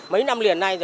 mấy năm liền nay